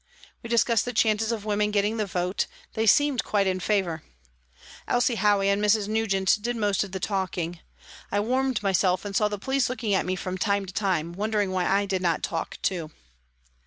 We discussed the chances of women getting the vote, they seemed quite in favour. Elsie Howey and Mrs. Nugent did most of the talking. I warmed myself and saw the police looking at me from time to time, wondering why I did not talk too.